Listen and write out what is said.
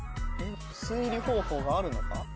・推理方法があるのか？